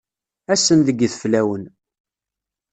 Ass-n deg yideflawen.